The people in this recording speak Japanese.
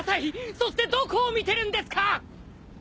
そしてどこを見てるんですか！